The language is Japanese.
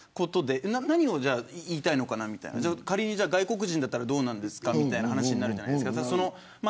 何を言いたいのかなみたいな仮に外国人だったらどうなんですかという話になる。